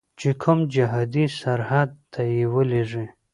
چې کوم جهادي سرحد ته یې ولیږي.